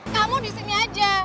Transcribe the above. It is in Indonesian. kamu di sini aja